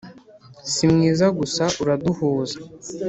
Si mwiza gusa uraduhuza